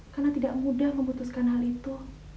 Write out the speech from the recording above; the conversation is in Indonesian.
karena tidak mudah memutuskan hal itu